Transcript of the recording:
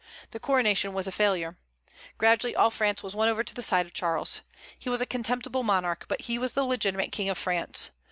The coronation was a failure. Gradually all France was won over to the side of Charles. He was a contemptible monarch, but he was the legitimate King of France.